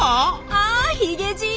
あヒゲじい。